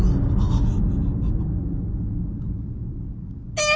えっ！